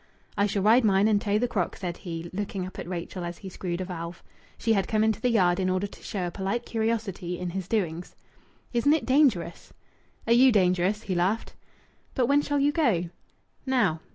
"I shall ride mine and tow the crock," said he, looking up at Rachel as he screwed a valve. She had come into the yard in order to show a polite curiosity in his doings. "Isn't it dangerous?" "Are you dangerous?" he laughed. "But when shall you go?" "Now."